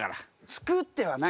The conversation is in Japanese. つくってはない。